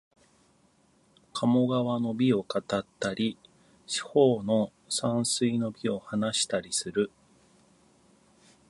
鴨川の美を語ったり、四方の山水の美を話したりする